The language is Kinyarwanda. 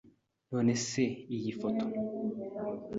none se iyi photo